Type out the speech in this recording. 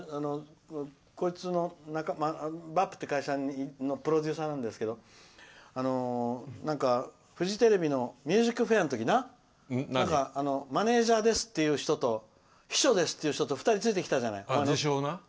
こいつ、会社のプロデューサーなんですけどフジテレビの「ＭＵＳＩＣＦＡＩＲ」の時なマネージャーですっていう人と秘書ですっていう人と２人ついてきたじゃない。